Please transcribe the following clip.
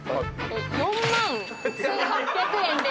４万１８００円です。